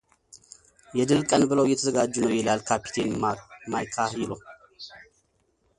የድል ቀን ብለው እየተዘጋጁ ነው ይላል ካፒቴን ማይካሂሎ።